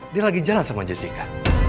dia lagi jalan sama jessica